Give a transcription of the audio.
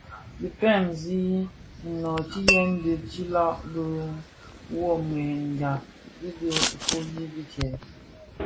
Dhi kpëňzi nnöötighèn dhi tiilag, biwoghirèna dhidi fuuli di djèè.